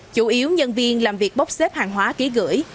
chủ yếu nhân viên làm việc bốc xếp hàng hóa ký gửi